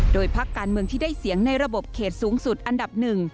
โดยพักการเมืองที่ได้เสียงในระบบเขตสูงสุดอันดับหนึ่ง